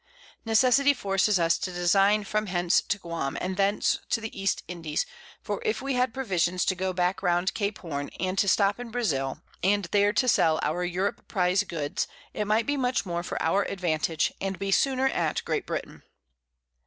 Necessity forces us to design from hence to Guam, and thence to the East Indies; for if we had Provisions to go back round Cape Horne, and to stop in Brazil, and there to sell our Europe Prize Goods, it might be much more for our Advantage, and be sooner at Great Britain.